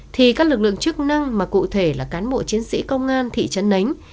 thì các lực lượng chức năng mà cụ thể là cán bộ chiến sĩ công an thị trấn nánh